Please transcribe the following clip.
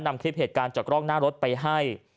นำคลิปเหตุการณ์จากกล้องหน้ารถไปให้